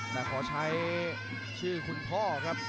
แต่ขอใช้ชื่อคุณพ่อครับ